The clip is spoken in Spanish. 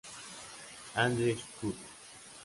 Andrew's School.